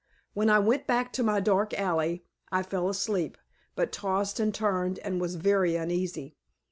When I went back to my dark alley I fell asleep, but tossed and turned and was very uneasy.